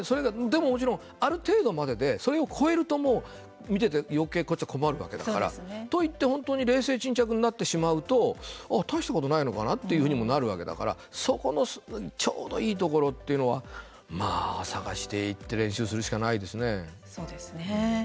でももちろん、ある程度まででそれを越えるともう、見ててよけいこっちは困るわけだから。といって、本当に冷静沈着になってしまうとああ、大したことないのかなっていうふうにもなるわけだから、そこのちょうどいいところというのはまあ探していって練習するしかないですね。